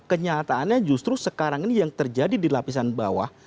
kenyataannya justru sekarang ini yang terjadi di lapisan bawah